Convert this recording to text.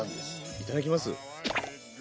いただきます。